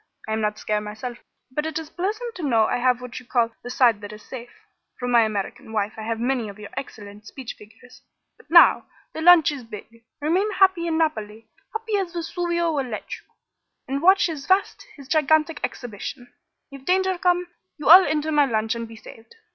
I am not scare, myself, but it is pleasant to know I have what you call the side that is safe. From my American wife I have many of your excellent speech figures. But now! The launch is big. Remain happy in Naples happy as Vesuvio will let you and watch his vast, his gigantic exhibition. If danger come, you all enter my launch and be saved.